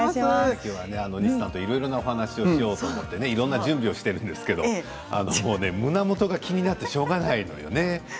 今日、西さんといろいろなお話をしようと思って準備しているんですけれども胸元が気になってしょうがないのよね。